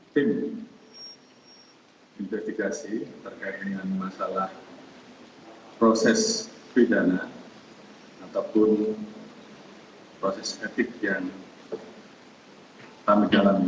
tim investigasi terkait dengan masalah proses pidana ataupun proses etik yang kami jalani